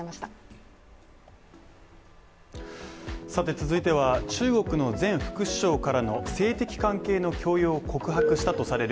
続いては、中国の前副首相からの性的関係の強要を告白したとされる